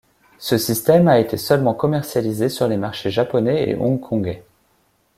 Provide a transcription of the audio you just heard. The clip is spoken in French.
Ce système a été seulement commercialisé sur les marchés japonais et hong-kongais.